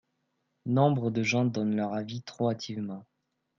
Nombre de gens donnent leur avis trop hâtivement.